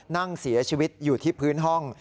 นั่งเสียชีวิตอยู่ที่พื้นห้อง